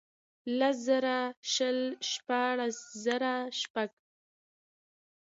لس زره شل ، شپاړس زره شپږ.